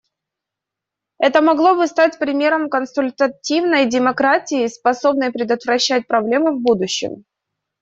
Это могло бы стать примером консультативной демократии, способной предотвращать проблемы в будущем.